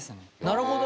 なるほど。